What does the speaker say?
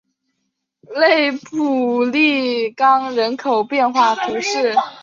勒普利冈人口变化图示